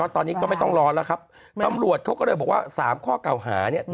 ตอนนี้ก็ไม่ต้องรอแล้วครับตำรวจเขาก็เลยบอกว่า๓ข้อเก่าหาเนี่ย